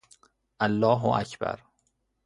الله اکبر